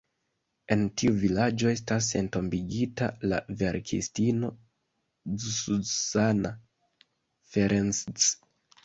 En tiu vilaĝo estas entombigita la verkistino Zsuzsanna Ferencz.